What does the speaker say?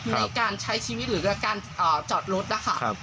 ในการใช้ชีวิตหรือการจอดรถนะคะ